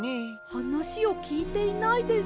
はなしをきいていないです。